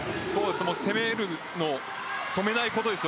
攻めるのを止めないことです。